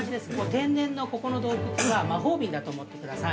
天然の、ここの洞窟は魔法瓶だと思ってください。